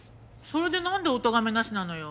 それでなんでおとがめなしなのよ。